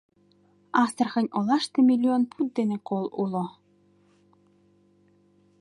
Астрахань олаште миллион пуд дене кол уло.